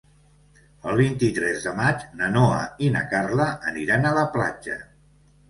El vint-i-tres de maig na Noa i na Carla aniran a la platja.